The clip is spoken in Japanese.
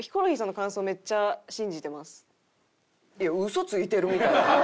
私いや嘘ついてるみたいな。